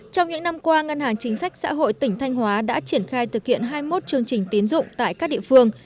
trong những năm qua ngân hàng chính sách xã hội tỉnh thanh hóa đã triển khai thực hiện hai mươi một chương trình tiến dụng tại các địa phương